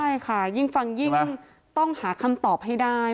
ใช่ค่ะยิ่งฟังยิ่งต้องหาคำตอบให้ได้